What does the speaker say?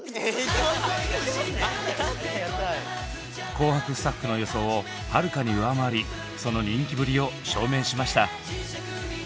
「紅白」スタッフの予想をはるかに上回りその人気ぶりを証明しました。